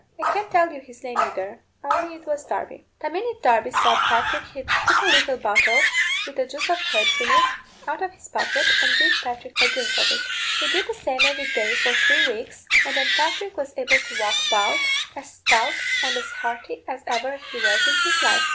I can't tell you his name either, only it was Darby. The minute Darby saw Patrick he took a little bottle, with the juice of herbs in it, out of his pocket, and gave Patrick a drink of it. He did the same every day for three weeks, and then Patrick was able to walk about, as stout and as hearty as ever he was in his life.